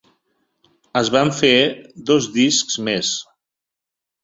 Es van fer dos discs més.